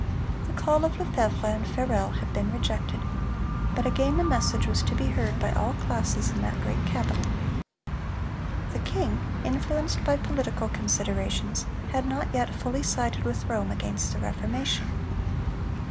The call of Lefevre and Farel had been rejected, but again the message was to be heard by all classes in that great capital. The king, influenced by political considerations, had not yet fully sided with Rome against the Reformation.